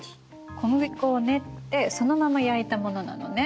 小麦粉を練ってそのまま焼いたものなのね。